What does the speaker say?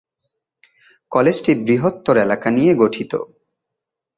কলেজটি বৃহত্তর এলাকা নিয়ে গঠিত।